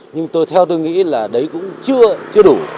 nhưng theo tôi nghĩ là đấy cũng chưa đủ